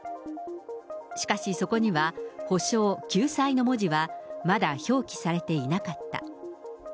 しかし、そこには補償、救済の文字はまだ表記されていなかった。